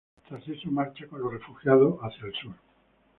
Tras eso, marcha con los refugiados hacia el Sur.